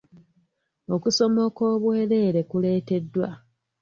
Okusoma okwobwereere kuleeteddwa.